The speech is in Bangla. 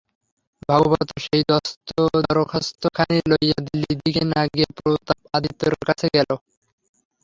ভাগবত সেই দরখাস্তখানি লইয়া দিল্লীর দিকে না গিয়া প্রতাপ আদিত্যের কাছে গেল।